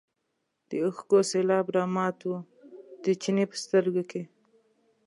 د اوښکو سېلاب رامات و د چیني په سترګو کې.